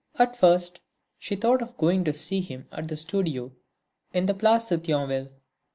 At first she thought of going to see him at the studio in the Place de Thionville.